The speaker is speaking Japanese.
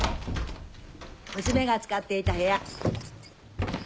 娘が使っていた部屋。